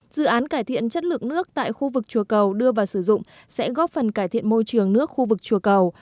dự án cải thiện chất lượng nước tại khu vực chùa cầu đưa vào sử dụng sẽ góp phần cải thiện môi trường nước khu vực chùa cầu